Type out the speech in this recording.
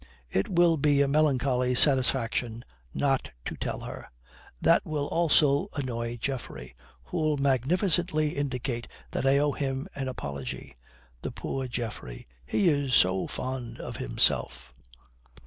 It will be a melancholy satisfaction not to tell her. That will also annoy Geoffrey, who'll magnificently indicate that I owe him an apology. The poor Geoffrey! He is so fond of himself!"